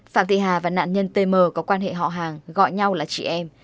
phạm thị hà và nạn nhân t m có quan hệ họ hàng gọi nhau là chị em